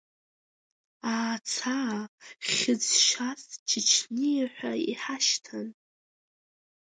Аацаа хьыӡшьас чечниа ҳәа иҳашьҭан.